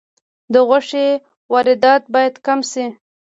د غوښې واردات باید کم شي